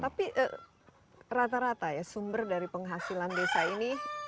tapi rata rata ya sumber dari penghasilan desa ini